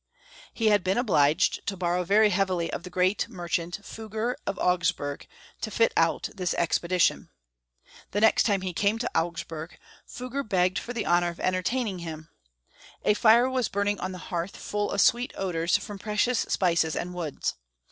He had been obliged to borrow very heavily of the great merchant, Fugger of Augsburg, to fit out this expedition. The next time he came to Augs burg, Fugger begged for the honor of entertaining him. A fire was burning on the hearth full of sweet odors from precious spices and woods.